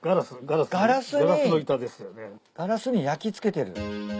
ガラスに焼き付けてる。